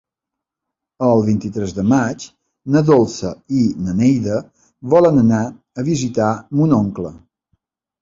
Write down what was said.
El vint-i-tres de maig na Dolça i na Neida volen anar a visitar mon oncle.